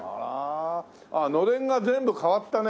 あっのれんが全部変わったね。